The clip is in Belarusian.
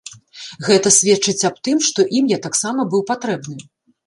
Гэта сведчыць ад тым, што ім я таксама быў патрэбны.